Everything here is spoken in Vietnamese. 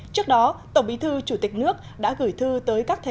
trước đó tổng bí thư chủ tịch nước đã gửi thư tới các thể